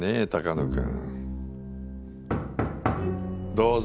どうぞ。